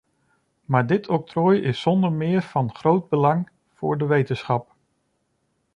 Maar dit octrooi is zonder meer van groot belang voor de wetenschap.